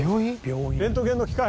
レントゲンの機械？